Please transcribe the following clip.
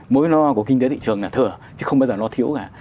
mối lo của kinh tế thị trường là thừa chứ không bao giờ nó thiếu cả